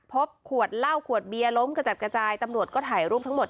พบขวดเหล้าขวดเบียร์ล้มกระจัดกระจายตำรวจก็ถ่ายรูปทั้งหมด